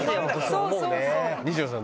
西野さん